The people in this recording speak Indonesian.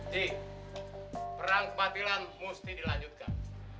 ji perang kebatilan mesti dilanjutkan